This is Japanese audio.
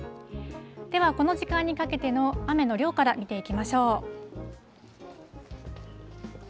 では、この時間にかけての雨の量から見ていきましょう。